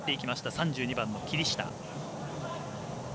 ３２番の霧下。